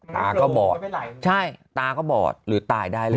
ตาก็บอดใช่ตาก็บอดหรือตายได้เลย